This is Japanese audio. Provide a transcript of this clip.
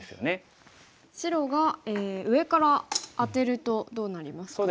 白が上からアテるとどうなりますか？